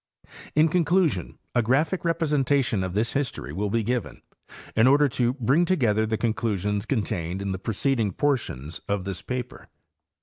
In conclusion, a graphic representation of this history will be given, in order to bring together the conclusions contained in the preceding portions of this paper.